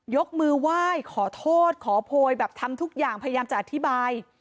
ยกมือไหว้ขอโทษขอโพยแบบทำทุกอย่างพยายามจะอธิบาย